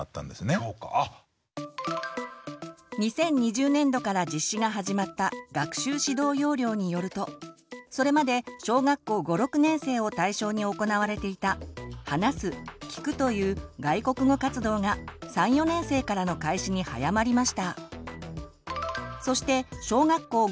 ２０２０年度から実施が始まった学習指導要領によるとそれまで小学校５６年生を対象に行われていた「話す」「聞く」という「外国語活動」が３４年生からの開始に早まりました。